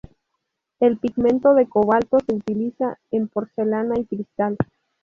El pigmento de cobalto se utiliza en porcelana y cristal.